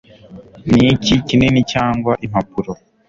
Niki Kinini Cyangwa Impapuro